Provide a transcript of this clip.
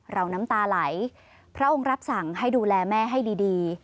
น้ำตาไหลพระองค์รับสั่งให้ดูแลแม่ให้ดี